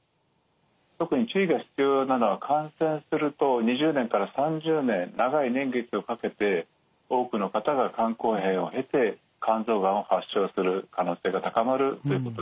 特に注意が必要なのは感染すると２０年から３０年長い年月をかけて多くの方が肝硬変を経て肝臓がんを発症する可能性が高まるということですね。